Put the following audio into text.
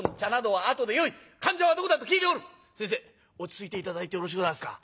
「先生落ち着いて頂いてよろしゅうございますか。